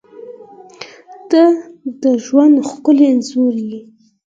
• ته د ژوند ښکلی انځور یې.